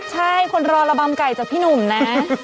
ใช่คนรอระบำไก่จากพี่หนุ่มนะ